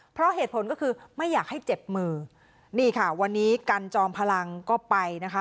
เพราะเหตุผลก็คือไม่อยากให้เจ็บมือนี่ค่ะวันนี้กันจอมพลังก็ไปนะคะ